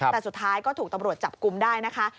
แต่สุดท้ายก็ถูกตำรวจจับกลุ่มได้นะคะ